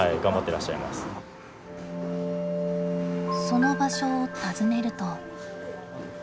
その場所を訪ねると。